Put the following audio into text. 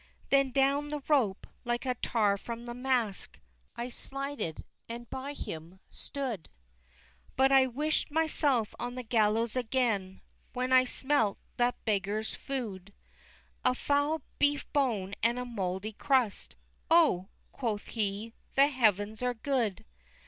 IV. Then down the rope, like a tar from the mast, I slided, and by him stood: But I wish'd myself on the gallows again When I smelt that beggar's food, A foul beef bone and a mouldy crust; "Oh!" quoth he, "the heavens are good!"